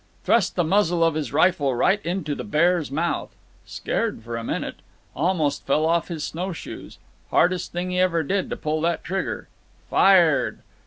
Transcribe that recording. Thrust the muzzle of his rifle right into the bear's mouth. Scared for a minute. Almost fell off his snow shoes. Hardest thing he ever did, to pull that trigger. Fired.